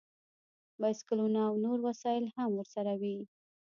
بایسکلونه او نور وسایل هم ورسره وي